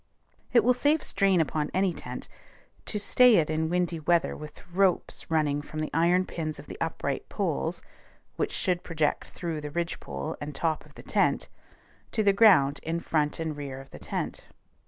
It will save strain upon any tent, to stay it in windy weather with ropes running from the iron pins of the upright poles (which should project through the ridgepole and top of the tent) to the ground in front and rear of the tent.